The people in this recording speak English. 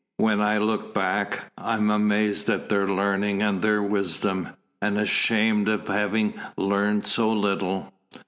When I look back, I am amazed at their learning and their wisdom and ashamed of having learned so little."